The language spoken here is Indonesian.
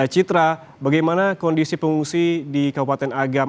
citra bagaimana kondisi pengungsi di kabupaten agam